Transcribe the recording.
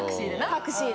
タクシーで。